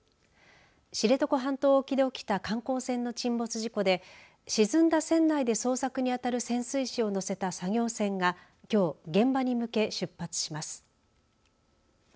知床半島沖で起きた観光船の沈没事故で沈んだ船内で捜索にあたる潜水士を乗せた作業船がきょう現場に向け出発します。